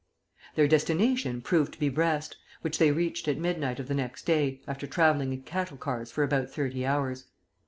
Their destination proved to be Brest, which they reached at midnight of the next day, after travelling in cattle cars for about thirty hours.